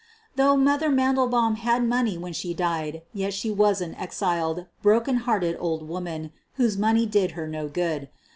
Though " Mother' ' Mandelbaum had money when she died, yet she was an exiled, broken hearted old rtwoman, whose money did her no good.